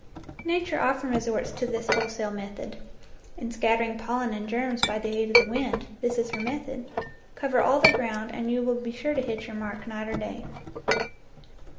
Nature often resorts to this wholesale method. In scattering pollen and germs by the aid of the wind, this is her method: cover all the ground, and you will be sure to hit your mark night or day.